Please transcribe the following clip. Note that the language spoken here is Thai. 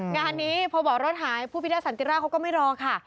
งานนี้พอบอกรถหายผู้พิทักษันติราชเขาก็ไม่รอค่ะ